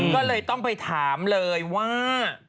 ก็เลยต้องไปถามเลยว่า